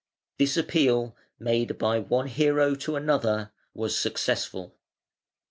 This appeal, made by one hero to another, was successful.